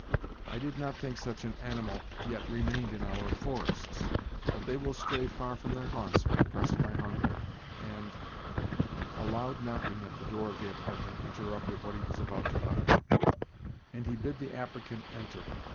I did not think such an animal yet remained in our forests; but they will stray far from their haunts when pressed by hunger, and " A loud knocking at the door of the apartment interrupted what he was about to utter, and he bid the applicant enter.